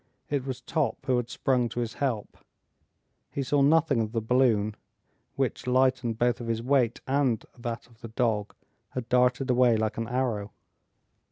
It was Top, who had sprung to his help. He saw nothing of the balloon, which, lightened both of his weight and that of the dog, had darted away like an arrow.